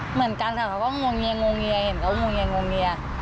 เหมือนกันค่ะเขาก็งงเงียเห็นเขาก็งงเงีย